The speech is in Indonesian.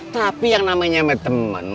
tapi yang namanya sama temen